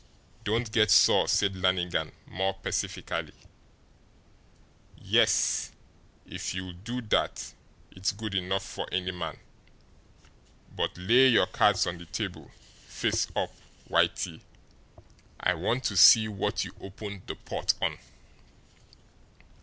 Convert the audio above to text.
"Don't get sore," said Lannigan, more pacifically. "Yes, if you'll do that it's good enough for any man. But lay your cards on the table face up, Whitey I want to see what you opened the pot on."